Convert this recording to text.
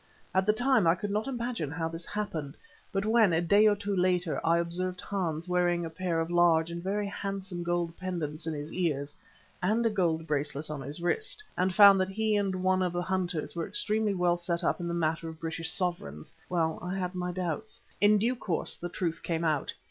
At the time I could not imagine how this happened, but when, a day or two later, I observed Hans wearing a pair of large and very handsome gold pendants in his ears and a gold bracelet on his wrist, and found that he and one of the hunters were extremely well set up in the matter of British sovereigns well, I had my doubts. In due course the truth came out.